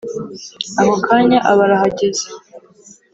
ako kanya aba arahageze